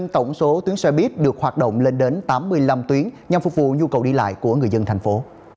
tổng số tuyến xe buýt được hoạt động lên đến tám mươi năm tuyến nhằm phục vụ nhu cầu đi lại của người dân thành phố